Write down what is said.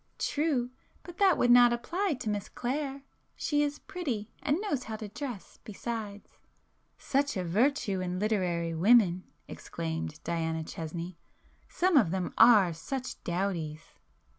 "True,—but that would not apply to Miss Clare. She is pretty, and knows how to dress besides." "Such a virtue in literary women!" exclaimed Diana Chesney—"Some of them are such dowdies!"